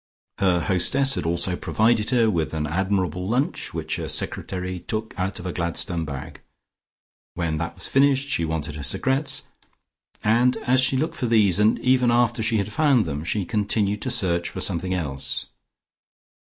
Her hostess had also provided her with an admirable lunch, which her secretary took out of a Gladstone bag. When that was finished, she wanted her cigarettes, and as she looked for these, and even after she had found them, she continued to search for something else.